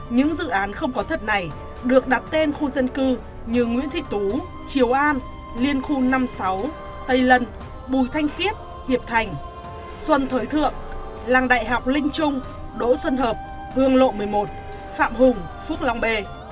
những dự án không có thật này được đặt tên khu dân cư như nguyễn thị tú chiều an liên khu năm mươi sáu tây lân bùi thanh siết hiệp thành xuân thới thượng làng đại học linh trung đỗ xuân hợp hương lộ một mươi một phạm hùng phước long b